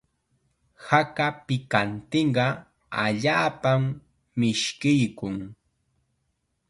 Haka pikantiqa allaapam mishkiykun.